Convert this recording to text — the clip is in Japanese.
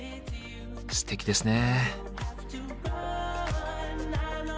すてきですね。